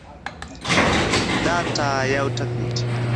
Data ya Utafiti